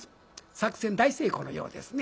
作戦大成功のようですね。